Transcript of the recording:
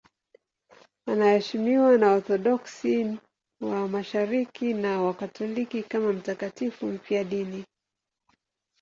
Anaheshimiwa na Waorthodoksi wa Mashariki na Wakatoliki kama mtakatifu mfiadini.